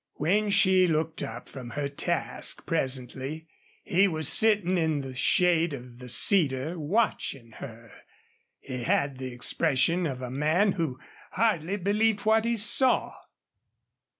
When she looked up from her task, presently, he was sitting in the shade of the cedar, watching her. He had the expression of a man who hardly believed what he saw.